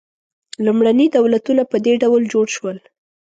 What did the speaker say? لومړني دولتونه په دې ډول جوړ شول.